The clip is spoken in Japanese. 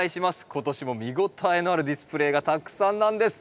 今年も見応えのあるディスプレーがたくさんなんです。